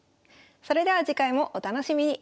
それでは次回もお楽しみに。